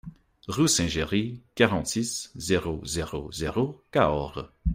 Rue Saint-Géry, quarante-six, zéro zéro zéro Cahors